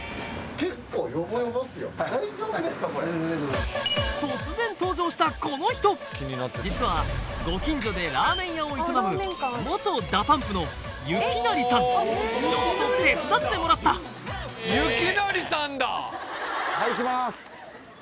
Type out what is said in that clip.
結構突然登場したこの人実はご近所でラーメン屋を営むちょっと手伝ってもらったはいいきます